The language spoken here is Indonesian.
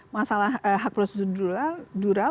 masalah hak prosedural